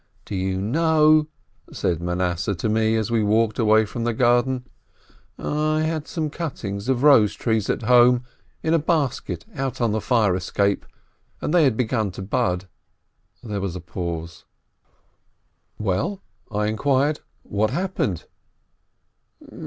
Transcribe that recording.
"Do you know," said Manasseh to me, as we walked away from the garden, "I had some cuttings of rose trees at home, in a basket out on the fire escape, and they had begun to bud." There was a pause. "Well," I inquired, "and what happened?"